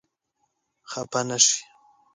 خپه نه شې.